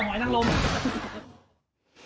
เขินรึเปล่าเขินมองกับหอยนั่งรม